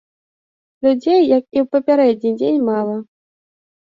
Людзей, як і ў папярэдні дзень мала.